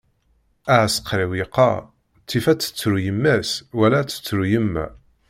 Aεsekriw yeqqar: ttif ad tettru yemma-s wala ad tettru yemma.